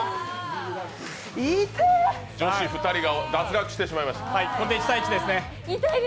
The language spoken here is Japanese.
女子２人が脱落してしまいました。